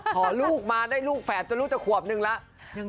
ขอลูกมาได้ลูกแฝดจนลูกจะขวบนึงแล้ว